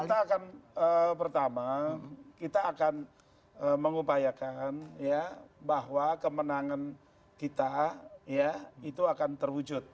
kita akan pertama kita akan mengupayakan ya bahwa kemenangan kita ya itu akan terwujud